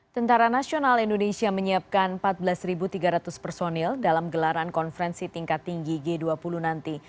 tentara nasional indonesia menyiapkan empat belas tiga ratus personil dalam gelaran konferensi tingkat tinggi g dua puluh nanti